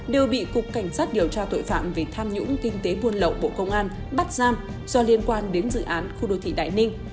đều bị cục cảnh sát điều tra tội phạm về tham nhũng kinh tế buôn lậu bộ công an bắt giam do liên quan đến dự án khu đô thị đại ninh